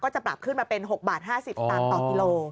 จะปรับขึ้นมาเป็น๖บาท๕๐สตางค์ต่อกิโล